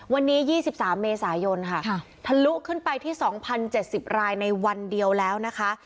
วันนี้๒๓เมษายนค่ะทะลุขึ้นไปที่๒๐๗๐รายในวันเดียวแล้วนะคะ